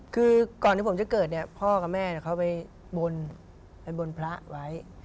คือก่อนที่ผมจะเกิดเนี่ยพ่อกับแม่เขาไปบนพระไว้